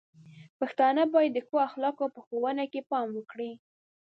پښتانه بايد د ښو اخلاقو په ښوونه کې پام وکړي.